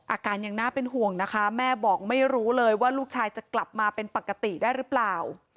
อาการยังน่าเป็นห่วงนะคะแม่บอกไม่รู้เลยว่าลูกชายจะกลับมาเป็นปกติได้หรือเปล่า